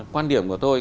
quan điểm của tôi